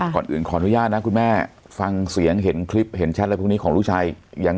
ก่อนอื่นขออนุญาตนะคุณแม่ฟังเสียงเห็นคลิปเห็นแชทอะไรพวกนี้ของลูกชายยัง